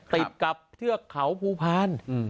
ติดกับเทือกเขาภูพาล